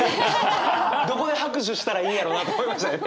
どこで拍手したらいいんやろうなと思いましたよね。